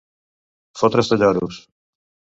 Fotre's de lloros.